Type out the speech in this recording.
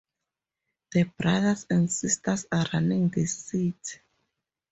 The brothers and sisters are running this city.